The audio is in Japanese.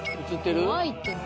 映ってる？